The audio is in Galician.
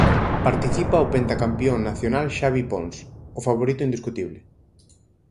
Participa o pentacampión nacional Xavi Pons, o favorito indiscutible.